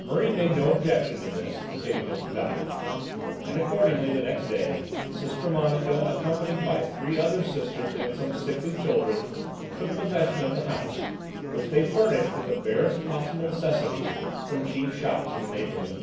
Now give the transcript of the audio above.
"Murray made no objection to this," continued Mr. Dyer, "and, accordingly, the next day, Sister Monica, accompanied by three other Sisters and some sickly children, took possession of the house, which they furnished with the barest possible necessaries from cheap shops in the neighbourhood.